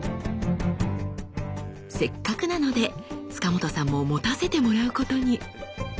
せっかくなので塚本さんも持たせてもらうことに。